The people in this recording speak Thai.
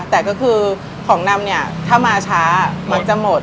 แต่ก็คือของนำเนี่ยถ้ามาช้ามักจะหมด